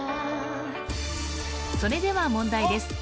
それでは問題です